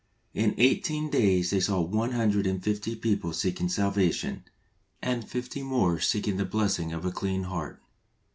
In eighteen days they saw one hundred and fifty people seeking salvation, and fifty more seeking the blessing of a clean heart.